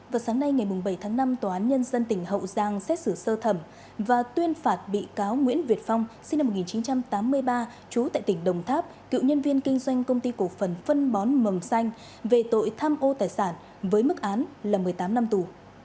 vào sáng nay ngày bảy tháng năm tòa án nhân dân tỉnh hậu giang xét xử sơ thẩm và tuyên phạt bị cáo nguyễn việt phong sinh năm một nghìn chín trăm tám mươi ba trú tại tỉnh đồng tháp cựu nhân viên kinh doanh công ty cổ phần phân bón mầm xanh về tội tham ô tài sản với mức án là một mươi tám năm tù